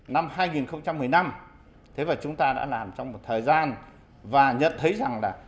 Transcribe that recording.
năm hai nghìn một mươi năm chúng ta đã làm trong một thời gian và nhận thấy rằng là